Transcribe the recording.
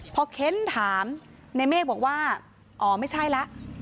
พอเค้นถามในเมฆบอกว่าอ๋อไม่ใช่แล้ว